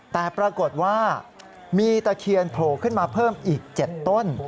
แต่ปรากฏว่ามีตะเคียนโผล่ขึ้นมาเพิ่มอีก๗ต้น